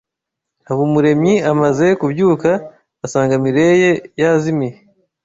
Habumuremyi amaze kubyuka, asanga Mirelle yazimiye.